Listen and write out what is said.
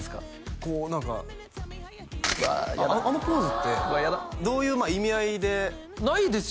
こう何かうわあ嫌だあのポーズってうわ嫌だどういう意味合いでないですよ